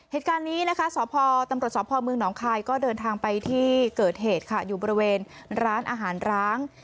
เหตุการณ์นี้นะคะสพตำรวจสพเมืองหนองคายก็เดินทางไปที่เกิดเหตุค่ะอยู่บริเวณร้านอาหารร้าง